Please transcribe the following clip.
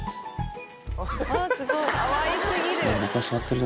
かわい過ぎる。